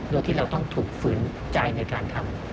โดยที่เราต้องถูกฝืนใจในการทำ